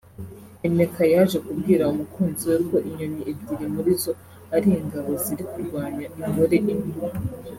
Emeka yaje kubwira umukunzi we ko inyoni ebyiri muri zo ari ingabo ziri kurwanya ingore imwe